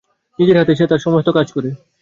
নিজের হাতে সে তাঁহার সমস্ত কাজ করে।